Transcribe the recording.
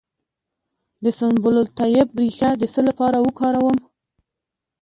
د سنبل الطیب ریښه د څه لپاره وکاروم؟